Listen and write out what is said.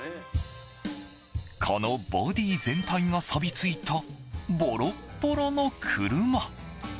このボディー全体がさび付いたボロボロの車。